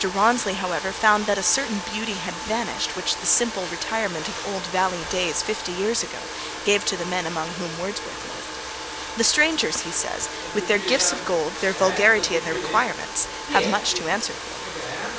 Rawnsley, however, found that a certain beauty had vanished which the simple retirement of old valley days fifty years ago gave to the men among whom Wordsworth lived. 'The strangers,' he says, 'with their gifts of gold, their vulgarity, and their requirements, have much to answer for.'